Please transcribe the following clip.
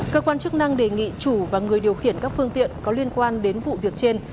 cơ quan chức năng đề nghị chủ và người điều khiển các phương tiện có liên quan đến vụ việc trên